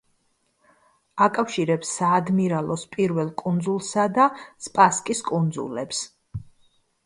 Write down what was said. აკავშირებს საადმირალოს პირველ კუნძულსა და სპასკის კუნძულებს.